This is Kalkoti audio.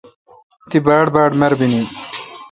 تی باڑباڑ مربینی